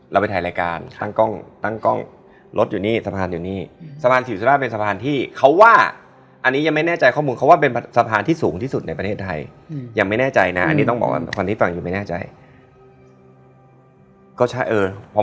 รับรู้ได้ว่าไม่ดีขอยาใช่ขอยาหน่อยแบบ